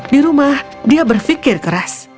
di rumah dia berpikir keras